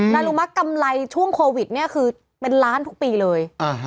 รุมัติกำไรช่วงโควิดเนี่ยคือเป็นล้านทุกปีเลย